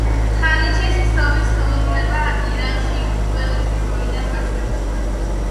ხალიჩის ქსოვის ხელოვნება ირანში უძველესი დროიდან არსებობდა.